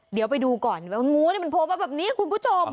เดี๋ยวไปดูก่อนว่างูนี่มันโผล่มาแบบนี้คุณผู้ชม